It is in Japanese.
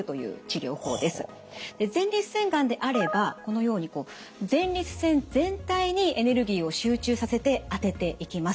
前立腺がんであればこのように前立腺全体にエネルギーを集中させて当てていきます。